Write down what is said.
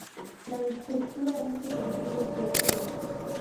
La estructura es de perfiles de acero.